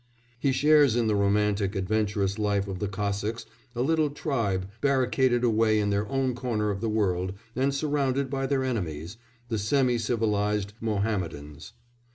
He shares in the romantic, adventurous life of the Cossacks, a little tribe barricaded away in their own corner of the world and surrounded by their enemies the semi civilised Mohammedans.